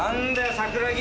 桜木